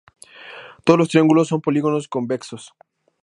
Todos los triángulos son polígonos convexos.